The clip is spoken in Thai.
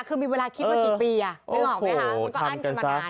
คือมีเวลาคิดมากี่ปีนึกออกไหมคะมันก็อั้นกันมานาน